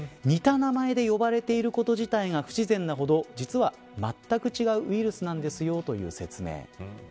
似た名前で呼ばれていること自体が、不自然なほど実は全く違うウイルスなんですよという説明。